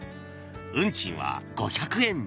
運賃は５００円。